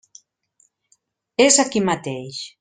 És aquí mateix.